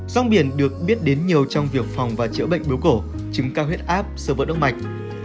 rong biển được biết đến nhiều trong việc phòng và chữa bệnh biếu cổ trứng cao huyết áp sơ vỡ động mạch